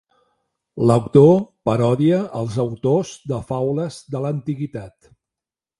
L'autor parodia als autors de faules de l'antiguitat.